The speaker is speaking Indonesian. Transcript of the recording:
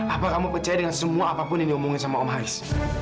apa kamu percaya dengan semua apapun yang diomongin sama om hiz